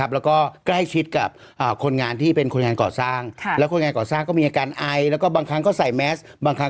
แล้วก็อายุท่านก็เยอะแล้ว๖๐กว่าก็เลยติดมาอันนี้คือติดในประเทศเลย